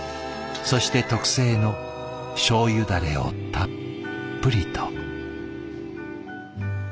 そして特製のしょうゆダレをたっぷりと。